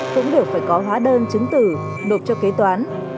cũng đều phải có hóa đơn chứng tử đột cho kế toán